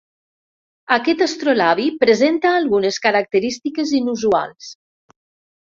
Aquest astrolabi presenta algunes característiques inusuals.